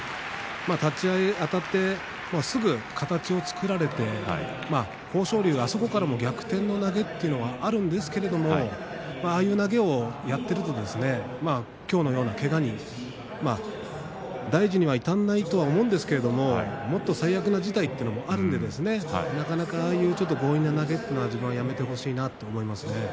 立ち合いにあたってすぐに形を作られて豊昇龍はあそこから逆転の投げというのはあるんですけれどああいう投げをやっていると今日のような、けがに大事には至らないと思うんですけれどもっと最悪の事態ということもありますのでああいう強引な投げというのは自分がやめてほしいなと思います。